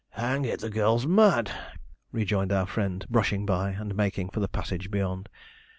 'Hang it, the girl's mad,' rejoined our friend, brushing by, and making for the passage beyond.